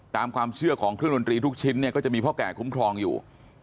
ตามความเชื่อของเครื่องดนตรีทุกชิ้นเนี่ยก็จะมีพ่อแก่คุ้มครองอยู่